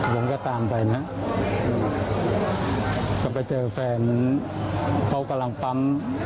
ผมก็ตามไปนะก็ไปเจอแฟนเขากำลังปั๊ม